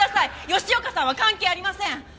吉岡さんは関係ありません！